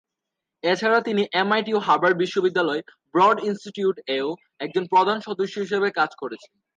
এছাড়া তিনি এমআইটি ও হার্ভার্ড বিশ্ববিদ্যালয়ের ব্রড ইন্সটিটিউট-এও একজন প্রধান সদস্য হিসেবে কাজ করছেন।